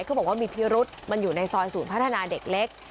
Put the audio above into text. เขาบอกว่ามีพิรุษมันอยู่ในซอยศูนย์พัฒนาเด็กเล็ก